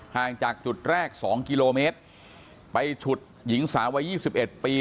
ห่างจากจุดแรกสองกิโลเมตรไปฉุดหญิงสาวัยยี่สิบเอ็ดปี